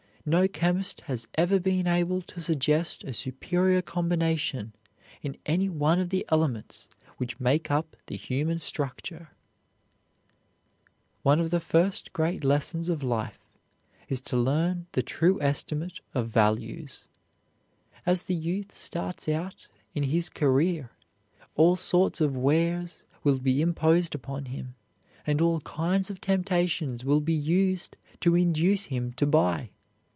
No chemist has ever been able to suggest a superior combination in any one of the elements which make up the human structure. [Illustration: Mark Twain] One of the first great lessons of life is to learn the true estimate of values. As the youth starts out in his career all sorts of wares will be imposed upon him and all kinds of temptations will be used to induce him to buy.